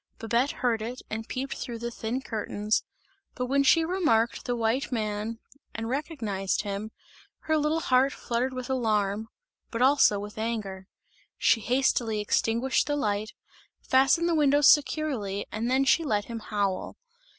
Babette heard it and peeped through the thin curtains, but when she remarked the white man and recognized him, her little heart fluttered with alarm, but also with anger. She hastily extinguished the light, fastened the windows securely and then she let him howl.